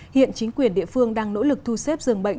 hiện chính quyền địa phương đang nỗ lực thu xếp dường bệnh